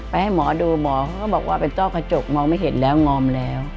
ให้หมอดูหมอเขาก็บอกว่าเป็นต้อกระจกมองไม่เห็นแล้วงอมแล้ว